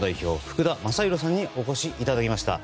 福田正博さんにお越しいただきました。